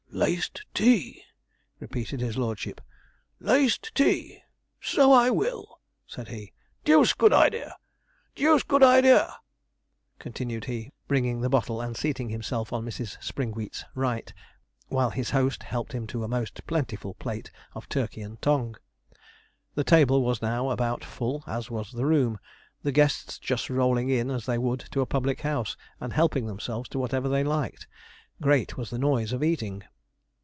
'Laced tea,' repeated his lordship; 'laced tea: so I will,' said he. 'Deuced good idea deuced good idea,' continued he, bringing the bottle and seating himself on Mrs. Springwheat's right, while his host helped him to a most plentiful plate of turkey and tongue. The table was now about full, as was the room; the guests just rolling in as they would to a public house, and helping themselves to whatever they liked. Great was the noise of eating.